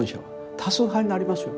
多数派になりますよ。